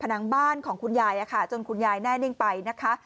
นังบ้านของคุณยายจนคุณยายแน่นิ่งไปนะคะ